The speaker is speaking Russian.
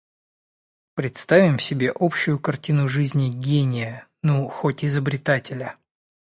Представим себе общую картину жизни гения, ну, хоть изобретателя.